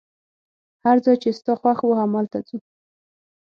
هر ځای چي ستا خوښ وو، همالته ځو.